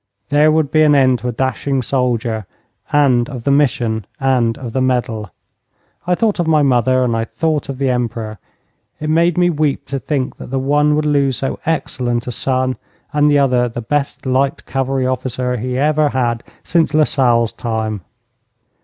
There would be an end to a dashing soldier, and of the mission and of the medal. I thought of my mother and I thought of the Emperor. It made me weep to think that the one would lose so excellent a son and the other the best light cavalry officer he ever had since Lasalle's time.